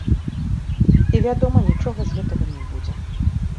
І, вядома, нічога з гэтага не будзе.